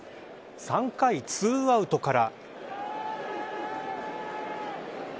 ３回２アウトから。